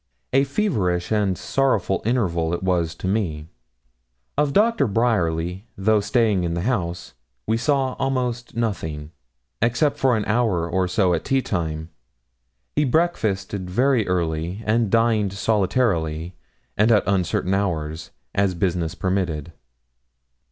A feverish and sorrowful interval it was to me. Of Doctor Bryerly, though staying in the house, we saw almost nothing, except for an hour or so at tea time. He breakfasted very early, and dined solitarily, and at uncertain hours, as business permitted.